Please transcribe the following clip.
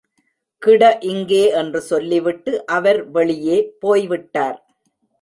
கிட இங்கே என்று சொல்லி விட்டு அவர் வெளியே போய்விட்டார்.